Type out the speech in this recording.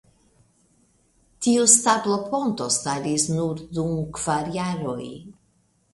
Tiu stabloponto staris nur dum kvar jaroj.